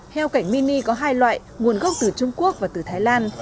heo cảnh mini có hai loại nguồn gốc từ trung quốc và từ thái lan